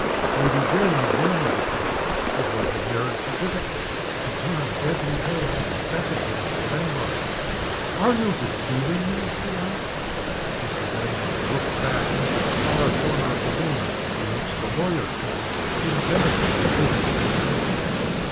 _" Lady Jane examined the paper. It was a marriage certificate. She turned deadly pale, and beckoned to Mr. Vanborough. "Are you deceiving me?" she asked. Mr. Vanborough looked back into the far corner of the room, in which the lawyer sat, impenetrably waiting for events.